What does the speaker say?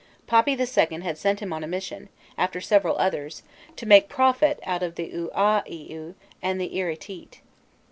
Papi II. had sent him on a mission, after several others, "to make profit out of the Ûaûaiû and the Iritît."